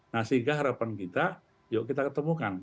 nah sehingga harapan kita yuk kita ketemukan